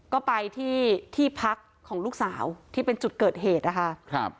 ก็ไปที่ที่พักของลูกสาวที่เป็นจุดเกิดเหตุนะคะครับ